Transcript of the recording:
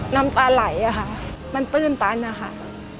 น้ำตาไหลอะค่ะมันตื้นตันนะคะ